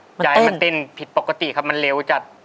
มันเต้นใจมันเต้นผิดปกติครับมันเลวจัด